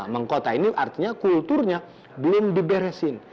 mengkota ini artinya kulturnya belum diberesin